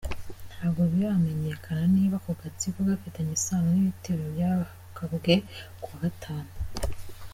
Ntabwo biramenyekana niba ako gatsiko gafitanye isano n’ibitero byagabwe kuwa Gatanu.